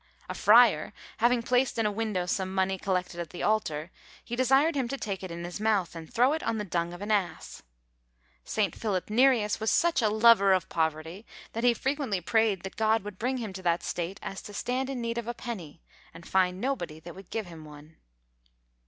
A friar having placed in a window some money collected at the altar, he desired him to take it in his mouth, and throw it on the dung of an ass! St. Philip Nerius was such a lover of poverty, that he frequently prayed that God would bring him to that state as to stand in need of a penny, and find nobody that would give him one!